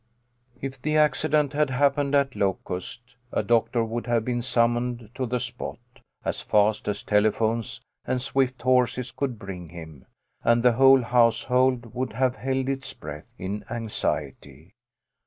If the accident had happened at Locust, a doctor 62 THE LITTLE COLONEL'S HOLIDAYS. would have been summoned to the spot, as fast as telephones and swift horses could bring him, and the whole household would have held its breath in anxiety.